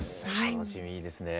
楽しみですね！